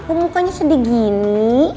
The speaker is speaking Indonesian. kok mukanya sedih gini